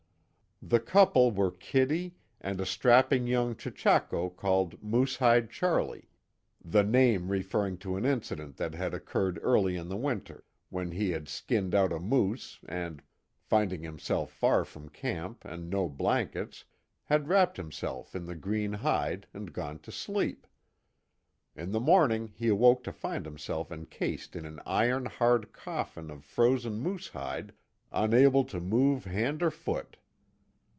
The couple were Kitty, and a strapping young chechako called Moosehide Charlie, the name referring to an incident that had occurred early in the winter when he had skinned out a moose and, finding himself far from camp and no blankets, had wrapped himself in the green hide and gone to sleep. In the morning he awoke to find himself encased in an iron hard coffin of frozen moosehide unable to move hand or foot.